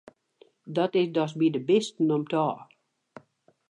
Dat is dochs by de bisten om't ôf!